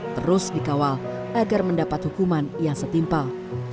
terus dikawal agar mendapat hukuman yang setimpal